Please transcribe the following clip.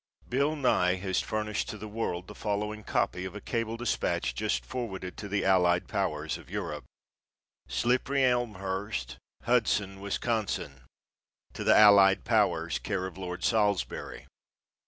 Bill Nye has furnished to the World the following copy of a cable dispatch just forwarded to the Allied Powers of Europe: SLIPPERYELMHURST, HUDSON, WIS. _To the Allied Powers, care of Lord Salisbury.